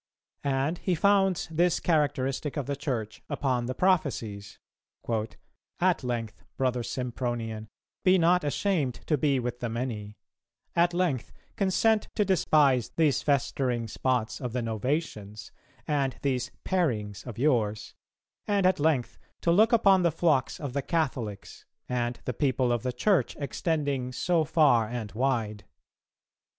And he founds this characteristic of the Church upon the prophecies: "At length, brother Sympronian, be not ashamed to be with the many; at length consent to despise these festering spots of the Novatians, and these parings of yours; and at length, to look upon the flocks of the Catholics, and the people of the Church extending so far and wide.